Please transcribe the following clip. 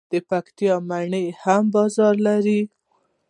د پکتیا مڼې هم بازار لري.